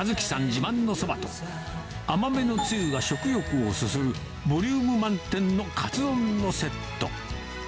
自慢のそばと、甘めのつゆが食欲をそそる、ボリューム満点のカツ丼のセット。